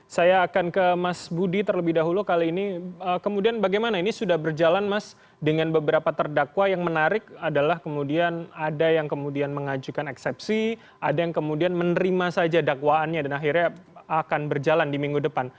saya akan ke mas budi terlebih dahulu kali ini kemudian bagaimana ini sudah berjalan mas dengan beberapa terdakwa yang menarik adalah kemudian ada yang kemudian mengajukan eksepsi ada yang kemudian menerima saja dakwaannya dan akhirnya akan berjalan di minggu depan